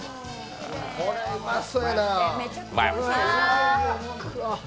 これうまそうやなあ。